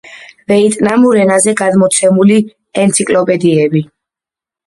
ვიეტნამურ ენაზე გამოცემული ენციკლოპედიები.